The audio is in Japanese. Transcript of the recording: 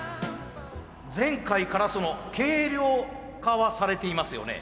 前回からその軽量化はされていますよね。